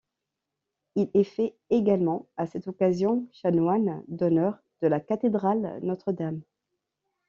Il est fait également à cette occasion chanoine d'honneur de la cathédrale Notre-Dame.